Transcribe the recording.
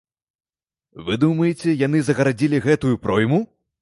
Вы думаеце, яны загарадзілі гэтую пройму?